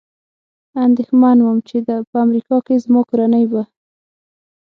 اندېښمن ووم، چې په امریکا کې زما کورنۍ به.